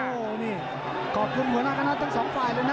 โอ้โหนี่ขอบคุณหัวหน้าคณะทั้งสองฝ่ายเลยนะ